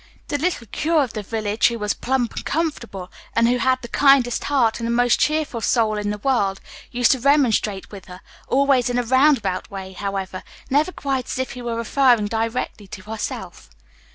The little curé of the village, who was plump and comfortable, and who had the kindest heart and the most cheerful soul in the world, used to remonstrate with her, always in a roundabout way, however, never quite as if he were referring directly to herself.